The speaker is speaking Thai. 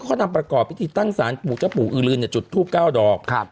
เขานำประกอบพิธีตั้งสารปู่เจ้าปู่อือลืนจุดทูป๙ดอก